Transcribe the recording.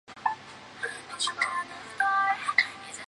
参赛队伍分别参加了不同级别的比赛。